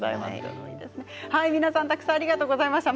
皆さん、たくさんありがとうございました。